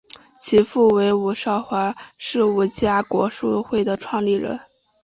其父为伍绍华是伍家国术会的创立人。